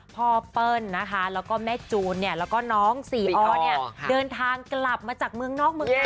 พ่อเปิ้ลแม่จูนและน้องสี่อ่อเดินทางกลับมาจากเมืองนอกเมืองหน้า